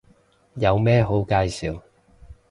有咩好介紹